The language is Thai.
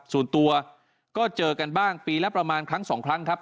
ส่วนตัวก็เจอกันบ้างปีละประมาณครั้งสองครั้งครับ